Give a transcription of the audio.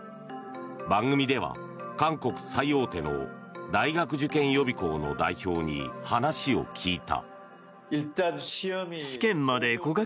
番組では韓国最大手の大学受験予備校の代表に話を聞いた。